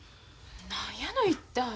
何やの一体。